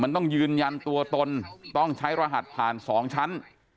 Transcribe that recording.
มันต้องยืนยันตัวตนต้องใช้รหัสผ่าน๒ชั้น